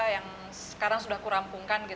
yang sekarang sudah kurampungkan